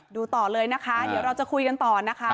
ดูต่อเลยนะคะเดี๋ยวเราจะคุยกันต่อนะคะ